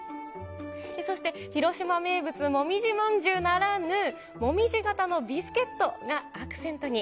そして、広島名物もみじまんじゅうならぬ、もみじ形のビスケットがアクセントに。